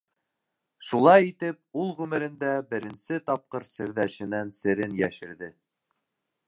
Шулай итеп, ул ғүмерендә беренсе тапҡыр серҙәшенән серен йәшерҙе.